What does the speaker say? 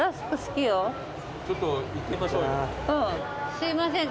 すいません。